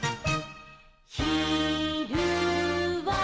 「ひるは」